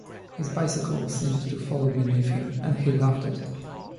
His bicycle seemed to fall beneath him, and he loved it.